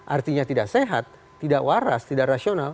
artinya tidak sehat tidak waras tidak rasional